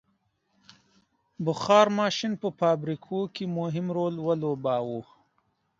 • بخار ماشین په فابریکو کې مهم رول ولوباوه.